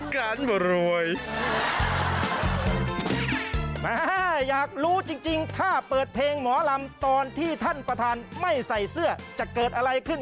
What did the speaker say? เขาบอกว่าใส่เพื่อนเสื้อเหมือน